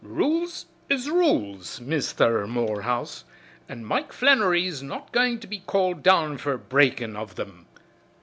Rules is rules, Misther Morehouse, an' Mike Flannery's not goin' to be called down fer breakin' of thim."